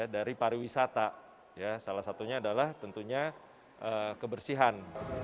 ya dari pariwisata ya salah satunya adalah tentunya kebersihan